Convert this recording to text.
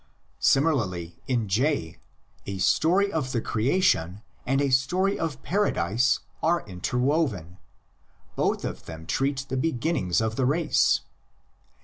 Similarly in J, a story of the creation and a story of Paradise are interwoven; both of them treat the beginnings of the race.